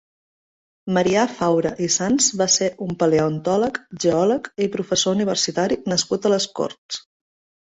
Marià Faura i Sans va ser un paleontòleg, geòleg i professor universitari nascut a les Corts.